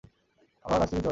আমরা নাচতে যেতে পারি?